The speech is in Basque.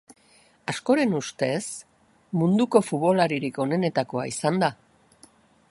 Askoren ustez, munduko futbolaririk onenetakoa izan da.